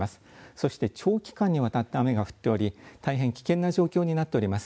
そして長期間にわたって雨が降っており大変危険な状況になっております。